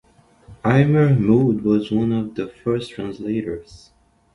Aylmer Maude was one of the first translators.